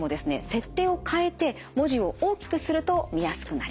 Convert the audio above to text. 設定を変えて文字を大きくすると見やすくなります。